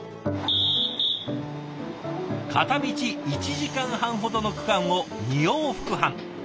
片道１時間半ほどの区間を２往復半。